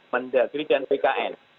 mendegrin dan bkn